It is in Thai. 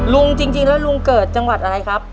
จริงแล้วลุงเกิดจังหวัดอะไรครับ